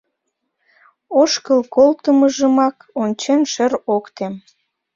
Ошкыл колтымыжымак ончен, шер ок тем.